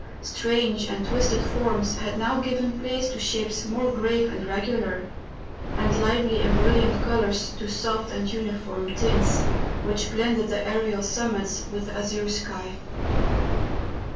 Strange and twisted forms had now given place to shapes more grave and regular; and lively and brilliant colours to soft and uniform tints, which blended the aerial summits with the azure sky.